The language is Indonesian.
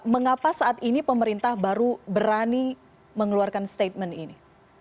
mengapa saat ini pemerintah baru berani mengeluarkan statement ini